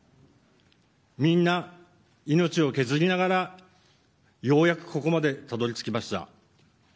みんな、命を削りながらようやくここまでたどり着きました。